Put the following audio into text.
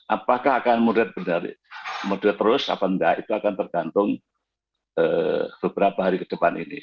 apakah akan model terus atau tidak itu akan tergantung beberapa hari ke depan ini